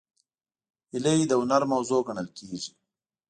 هیلۍ د هنر موضوع ګڼل کېږي